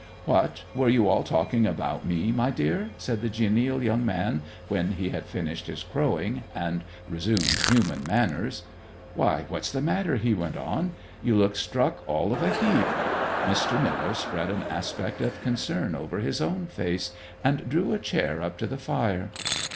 'What were you all talking about me, my dear?' said the genial young man when he had finished his crowing and resumed human manners. 'Why what's the matter,' he went on. 'You look struck all of a heap.' Mr. Miller spread an aspect of concern over his own face, and drew a chair up to the fire.